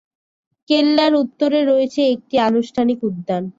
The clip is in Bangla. কেল্লার উত্তরে রয়েছে একটি আনুষ্ঠানিক উদ্যান।